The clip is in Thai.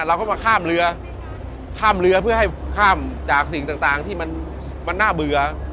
เราก็มาข้ามเรือข้ามเรือเพื่อให้ข้ามจากสิ่งต่างที่มันน่าเบื่อ